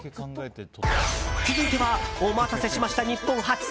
続いてはお待たせしました、日本発！